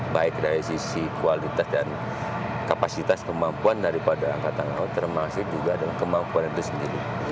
baik dari sisi kualitas dan kapasitas kemampuan daripada angkatan laut termasuk juga dengan kemampuan itu sendiri